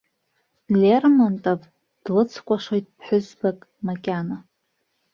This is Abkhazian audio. Лермонтов длыцкәашоит ԥҳәызбак макьана.